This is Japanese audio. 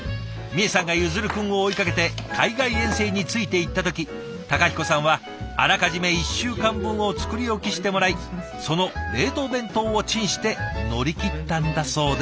みえさんが結弦くんを追いかけて海外遠征についていった時孝彦さんはあらかじめ１週間分を作り置きしてもらいその冷凍弁当をチンして乗り切ったんだそうです。